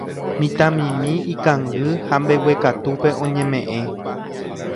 Mitãmimi ikangy ha mbeguekatúpe oñemeʼẽ.